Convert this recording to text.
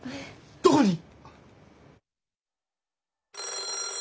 どこに？